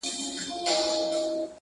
• د زړو شرابو ډکي دوې پیالي دی,